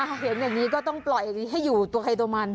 เห็นอย่างนี้ก็ต้องปล่อยให้อยู่ตัวใครตัวมัน